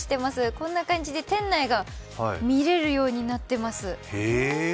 こんな感じで店内が見れるようになっています。